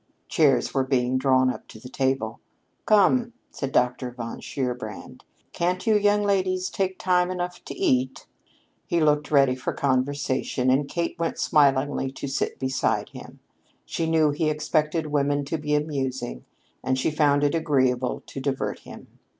Chairs were being drawn up to the table. "Come!" called Dr. von Shierbrand. "Can't you young ladies take time enough off to eat?" He looked ready for conversation, and Kate went smilingly to sit beside him. She knew he expected women to be amusing, and she found it agreeable to divert him.